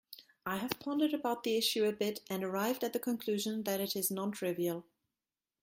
I have pondered about the issue a bit and arrived at the conclusion that it is non-trivial.